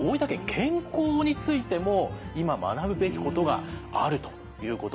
健康についても今学ぶべきことがあるということ。